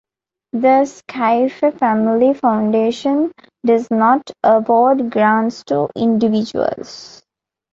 The Scaife Family Foundation does not award grants to individuals.